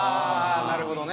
なるほどね。